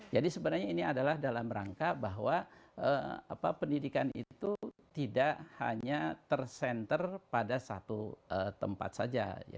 jadi sebenarnya ini adalah dalam rangka bahwa pendidikan itu tidak hanya tercenter pada satu tempat saja